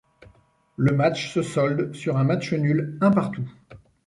Le match se solde sur un match nul un partout.